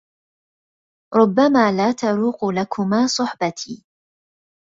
ربّما لا تروق لكما صُحبتي.